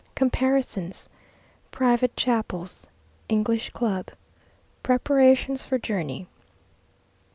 Comparisons Private Chapels English Club Preparations for Journey.